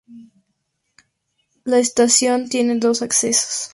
La estación tiene dos accesos.